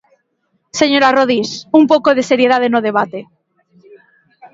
¡Señora Rodís, un pouco de seriedade no debate!